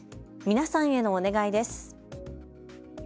皆さんへのお願いです。